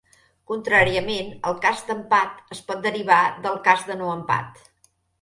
Contràriament, el cas d'empat es pot derivar del cas de no empat.